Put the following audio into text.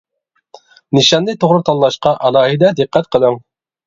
نىشاننى توغرا تاللاشقا ئالاھىدە دىققەت قىلىڭ!